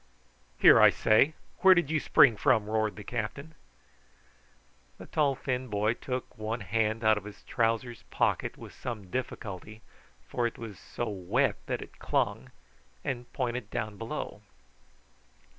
"Here, I say, where did you spring from?" roared the captain. The tall thin boy took one hand out of his trousers' pocket with some difficulty, for it was so wet that it clung, and pointed down below.